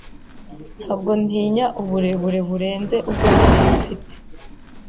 Ntabwo ntinya uburebure burenze ubwo nari mfite.